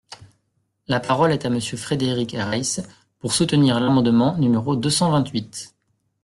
La parole est à Monsieur Frédéric Reiss, pour soutenir l’amendement numéro deux cent vingt-huit.